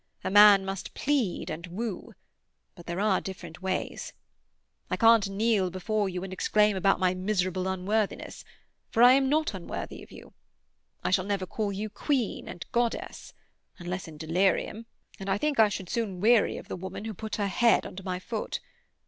A man must plead and woo; but there are different ways. I can't kneel before you and exclaim about my miserable unworthiness—for I am not unworthy of you. I shall never call you queen and goddess—unless in delirium, and I think I should soon weary of the woman who put her head under my foot.